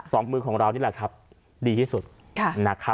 มือของเรานี่แหละครับดีที่สุดนะครับ